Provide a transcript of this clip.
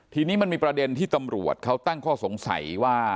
ทีนี้มันมีประเด็นที่ตำรวจเขาตั้งข้อสงสัยว่า